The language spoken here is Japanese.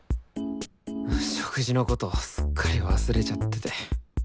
食事のことすっかり忘れちゃってて。